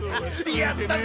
やったぜ！